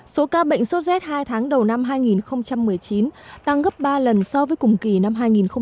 số ca bệnh sốt rét hai tháng đầu năm hai nghìn một mươi chín tăng gấp ba lần so với cùng kỳ năm hai nghìn một mươi tám